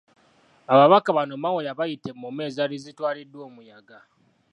Ababaka bano Mao yabayita emmome ezaali zitwaliddwa omuyaga.